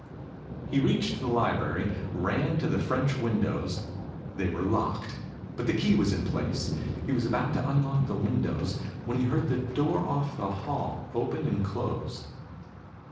He reached the library, ran to the French windows. They were locked, but the key was in place. He was about to unlock the windows when he heard the door off the hall open and close.